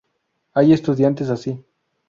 Hay estudiantes así.